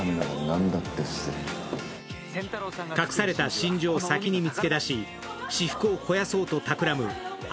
隠された真珠を先に見つけ出し私腹を肥やそうと企む姉